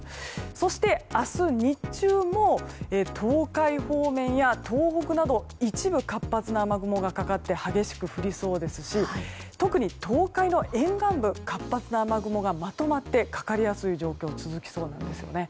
そして、明日日中も東海方面や東北など一部活発な雨雲がかかって激しく降りそうですし特に東海の沿岸部に活発な雨雲がまとまってかかりやすい状況が続きそうなんですね。